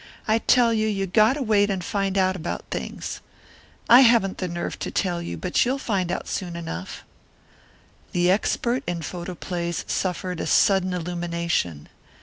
I tell you you got to wait and find out about things. I haven't the nerve to tell you, but you'll find out soon enough " The expert in photoplays suffered a sudden illumination.